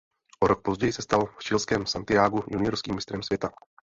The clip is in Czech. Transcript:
O rok později se stal v chilském Santiagu juniorským mistrem světa.